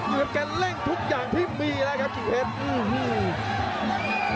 อยู่กับกันเร่งทุกอย่างที่มีเลยครับกิ่งเพชร